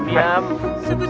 sumbuh sumbuh makan dulu